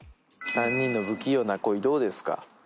３人の不器用な恋どうですか？